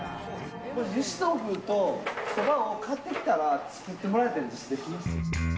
ゆし豆腐とそばを買ってきたら作ってもらえたりできます？